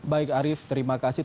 baik arief terima kasih